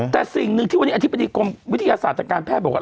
แต่สิ่งหนึ่งที่วันนี้อธิบดีกรมวิทยาศาสตร์ทางการแพทย์บอกว่า